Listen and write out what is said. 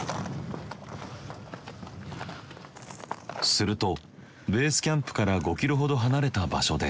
するとベースキャンプから５キロほど離れた場所で。